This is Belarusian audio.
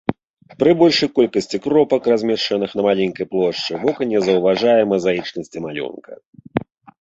Пры большай колькасці кропак, размешчаных на маленькай плошчы, вока не заўважае мазаічнасці малюнка.